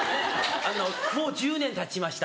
もう１０年たちました。